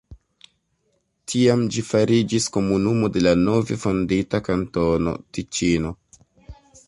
Tiam ĝi fariĝis komunumo de la nove fondita Kantono Tiĉino.